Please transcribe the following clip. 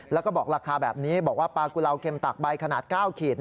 แล้วก็บอกราคาแบบนี้บอกว่าปลากุลาวเข็มตักใบขนาด๙ขีด